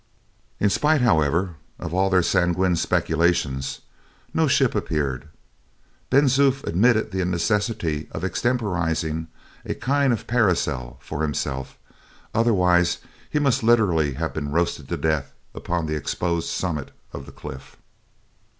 In spite, however, of all their sanguine speculations, no ship appeared. Ben Zoof admitted the necessity of extemporizing a kind of parasol for himself, otherwise he must literally have been roasted to death upon the exposed summit of the cliff.